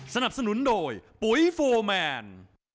สนับสนุนโดยปุ๋ยโฟร์แมน